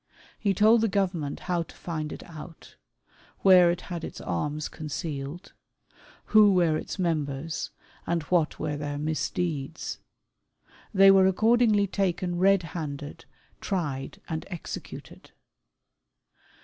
He told the Government how to find it out; where it had its arms concealed ; who were its members; and what were their misdeeds. They were accordingly taken red handed, tried, and executed.